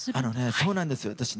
そうなんですよ。